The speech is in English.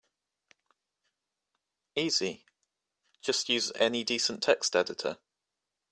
Easy, just use any decent text editor.